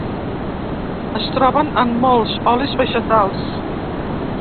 Es troben en molts olis vegetals.